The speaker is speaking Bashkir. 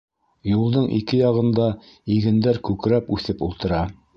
Юлдың ике яғында игендәр күкрәп үҫеп ултыра.